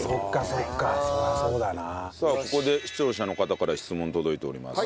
さあここで視聴者の方から質問届いております。